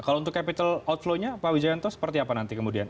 kalau untuk capital outflow nya pak wijayanto seperti apa nanti kemudian